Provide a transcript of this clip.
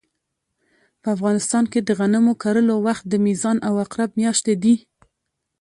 په افغانستان کې د غنمو کرلو وخت د میزان او عقرب مياشتې دي